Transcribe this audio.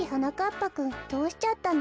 ぱくんどうしちゃったの？